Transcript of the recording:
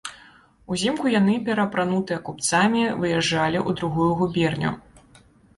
Узімку яны, пераапранутыя купцамі, выязджалі ў другую губерню.